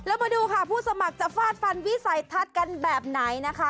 แล้วมาดูค่ะผู้สมัครจะฟาดฟันวิสัยทัศน์กันแบบไหนนะคะ